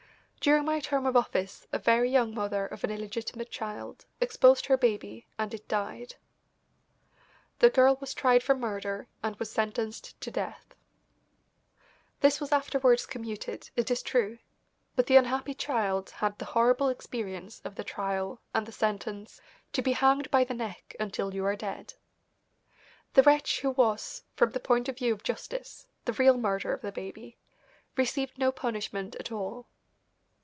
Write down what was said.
During my term of office a very young mother of an illegitimate child exposed her baby, and it died. The girl was tried for murder and was sentenced to death. This was afterwards commuted, it is true, but the unhappy child had the horrible experience of the trial and the sentence "to be hanged by the neck, until you are dead." The wretch who was, from the point of view of justice, the real murderer of the baby, received no punishment at all.